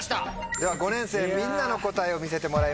では５年生みんなの答えを見せてもらいましょう。